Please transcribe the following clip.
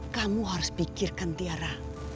kamu harus pikirkan tiara